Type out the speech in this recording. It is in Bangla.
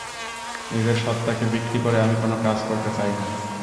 নিজের সত্তাকে বিক্রি করে আমি কোনো কাজ করতে চাই না।